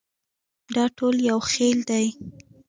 دا ټول یو خېل دي.